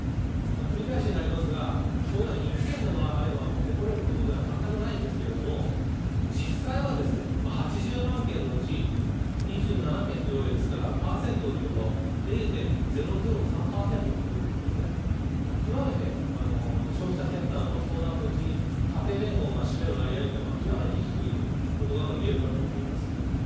繰り返しになりますが、こういうのは一件でもあれば誇れることでは全くないんですけれども、実際はですね、８０万件のうち２７件というわけですから、パーセントで言うと０でん、０．００３％ということで、極めて消費者センターの相談のうち、家庭連合が占める割合というのは、極めて低いということがいえるかと思います。